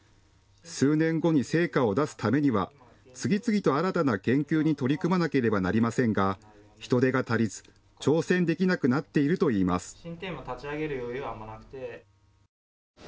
数年後に成果を出すためには次々と新たな研究に取り組まなければなりませんが人手が足りず挑戦できなくなっていると言います。